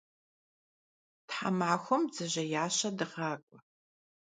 Themaxuem bdzejêyaşe dığak'ue.